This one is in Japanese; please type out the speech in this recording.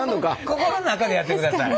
心ん中でやってください。